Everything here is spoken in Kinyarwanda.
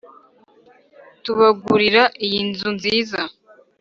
tubagurira iyi nzu nziza